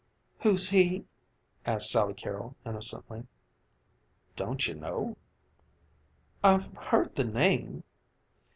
"Who's he?" asked Sally Carrol innocently. "Don't you know?" "I've heard the name."